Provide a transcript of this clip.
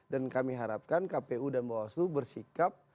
dan kami harapkan kpu dan bawah slu bersikap